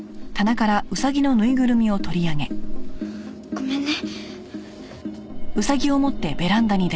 ごめんね。